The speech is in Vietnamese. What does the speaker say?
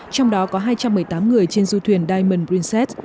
trong đó có hai trăm một mươi tám người trên du thuyền diamond princess